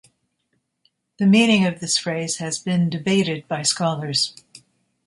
The meaning of this phrase has been debated by scholars.